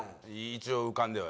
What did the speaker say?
一応浮かんでは。